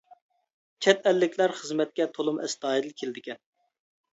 چەت ئەللىكلەر خىزمەتكە تولىمۇ ئەستايىدىل كېلىدىكەن.